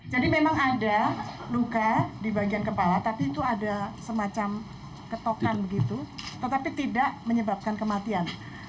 jadi memang ada luka di bagian kepala tapi itu ada semacam ketokan begitu tetapi tidak menyebabkan kematian